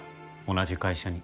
同じ会社に。